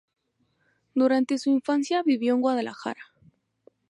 Durante su infancia vivió en Guadalajara.